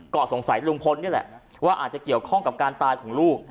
ก็สงสัยลุงพลนี่แหละว่าอาจจะเกี่ยวข้องกับการตายของลูก